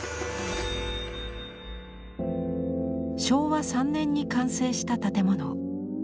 昭和３年に完成した建物。